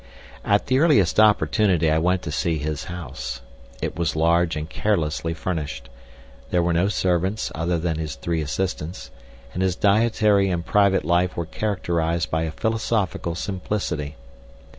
At the earliest opportunity I went to see his house. It was large and carelessly furnished; there were no servants other than his three assistants, and his dietary and private life were characterised by a philosophical simplicity.